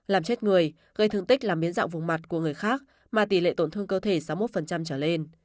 làm chết người gây thương tích làm miến dạo vùng mặt của người khác mà tỷ lệ tổn thương cơ thể sáu mươi một trở lên